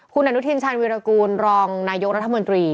คุณอนุทินชาญวิรากูลรองนายกรัฐมนตรี